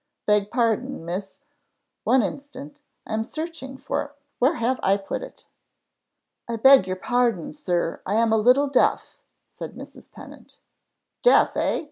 Beg pardon, Miss , one instant. I am searching for where have I put it?" "I beg your pardon, sir: I am a little deaf," said Mrs. Pennant. "Deaf hey?